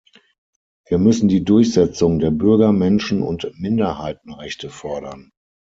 Wir müssen die Durchsetzung der Bürger-, Menschen- und Minderheitenrechte fordern.